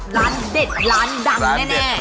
แล้วเป็นร้านแบบร้านเด็ดร้านดังนี่แน่